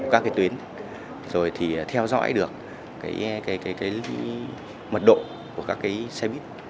các tuyến rồi thì theo dõi được mật độ của các xe buýt